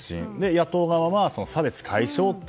野党側は差別解消と。